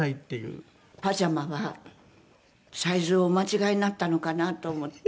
パジャマはサイズをお間違えになったのかなと思って。